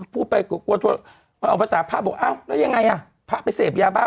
พูดไปออกพรรษาพระบอกเอาแล้วยังไงอ่ะพระไปเสพยาบ้า